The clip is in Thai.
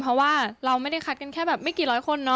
เพราะว่าเราไม่ได้คัดกันแค่แบบไม่กี่ร้อยคนเนอ